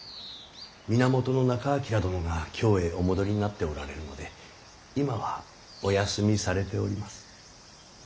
源仲章殿が京へお戻りになっておられるので今はお休みされております。